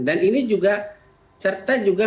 dan ini juga